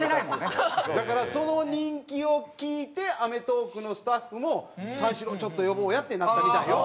だからその人気を聞いて『アメトーーク』のスタッフも三四郎ちょっと呼ぼうやってなったみたいよ。